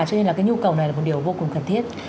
cho nên là cái nhu cầu này là một điều vô cùng cần thiết